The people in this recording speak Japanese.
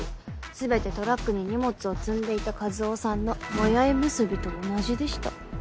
全てトラックに荷物を積んでいた一魚さんのもやい結びと同じでした。